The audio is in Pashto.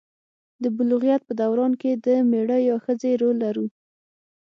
د بلوغیت په دوران کې د میړه یا ښځې رول لرو.